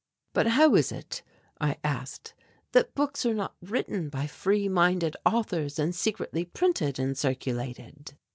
"But how is it," I asked, "that books are not written by free minded authors and secretly printed and circulated?"